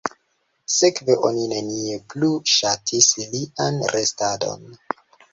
Sekve oni nenie plu ŝatis lian restadon.